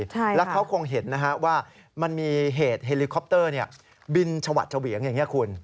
แล้วเขาคงเห็นนะฮะว่ามันมีเหตุเฮลิคอปเตอร์บินชวัดเฉวียงอย่างนี้คุณ